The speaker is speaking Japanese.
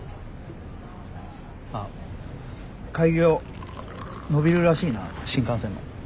開業延びるらしいな新幹線の。